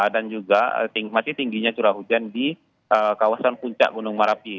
dan juga masih tingginya curah hujan di kawasan puncak gunung marapi